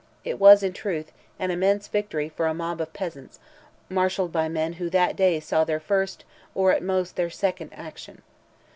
It was, in truth, an immense victory for a mob of peasants, marshalled by men who that day saw their first, or, at most, their second action.